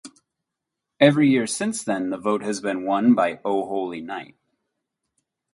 Every year since then the vote has been won by O Holy Night.